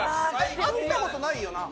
会った事ないよな？